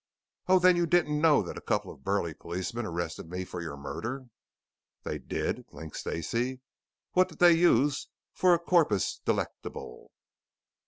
"Oh, then you didn't know that a couple of burly policemen arrested me for your murder." "They did?" blinked Stacey. "What did they use for corpus delectable?"